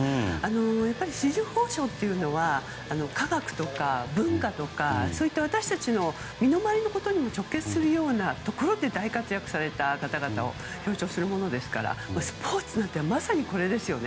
やっぱり紫綬褒章というのは科学とか文化とかそういった私たちの身の回りのことにも直結するようなところで大活躍された方々を表彰するものですからスポーツはまさにこれですよね。